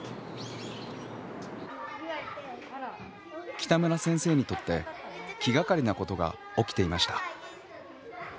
北村先生にとって気がかりなことが起きていました。